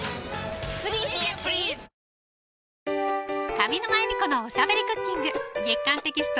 上沼恵美子のおしゃべりクッキング月刊テキスト